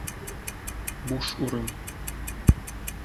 Буш урын!